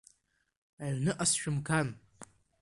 Аҩныҟа сшәымган!